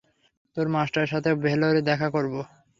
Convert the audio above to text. তোর মাস্টারের সাথে ভেলরে দেখা করব।